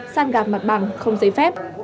săn gạp mặt bằng không giấy phép